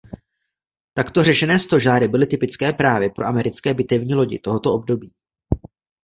Takto řešené stožáry byly typické právě pro americké bitevní lodi tohoto období.